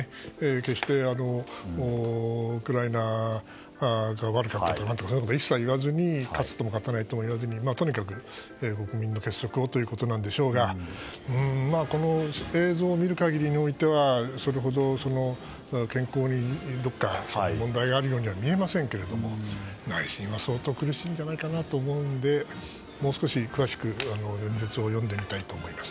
決してウクライナが悪かったとかそんなことは一切言わずに勝ってるとも言わずにとにかく国民の結束をということなんでしょうがこの映像を見る限りにおいてはそれほど健康状態にどこか問題があるようには見えませんけど内心は相当苦しいのではと思うのでもう少し、詳しく演説を読んでみたいと思います。